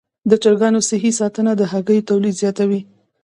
د چرګانو صحي ساتنه د هګیو تولید زیاتوي.